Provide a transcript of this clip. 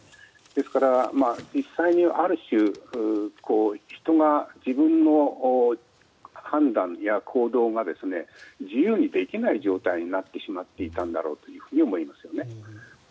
ですから、実際にはある種自分の判断や行動を自由にできない状態になってしまったんだろうと思いますね。